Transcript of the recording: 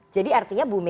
jadi artinya bu megawati